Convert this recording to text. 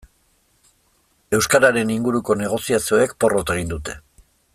Euskararen inguruko negoziazioek porrot egin dute.